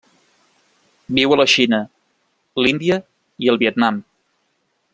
Viu a la Xina, l'Índia i el Vietnam.